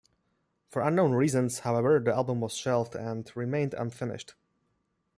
For unknown reasons however, the album was shelved and remained unfinished.